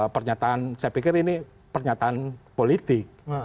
pernyataan saya pikir ini pernyataan politik